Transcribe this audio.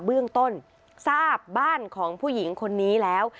เบื้องต้นทราบบ้านของผู้หญิงคนนี้แล้ว